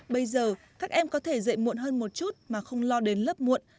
bây giờ các em có thể dạy muộn hơn một chút mà không lo đến lớp muộn